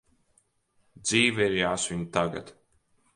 Dzīve ir jāsvin tagad!